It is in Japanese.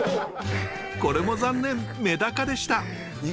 これも残念メダカでした。